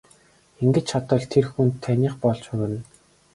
Ингэж чадвал нэр хүнд таных болон хувирна.